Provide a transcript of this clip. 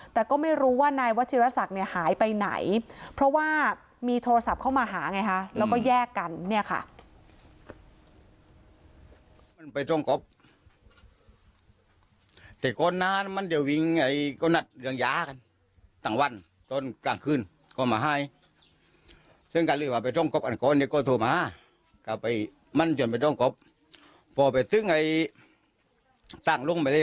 แต่ก็ไม่รู้ว่านายวชิระศักดิ์หายไปไหนเพราะว่ามีโทรศัพท์เข้ามาหาแล้วก็แยกกัน